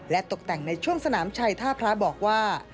ตกแต่งในช่วงสนามชัยท่าพระบอกว่า